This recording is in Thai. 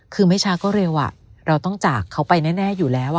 คือไม่ช้าก็เร็วเราต้องจากเขาไปแน่อยู่แล้ว